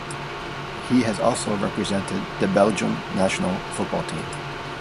He has also represented the Belgium national football team.